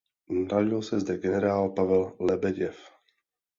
Narodil se zde generál Pavel Lebeděv.